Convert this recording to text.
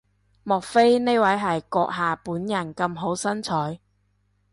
莫非呢位係閣下本人咁好身材？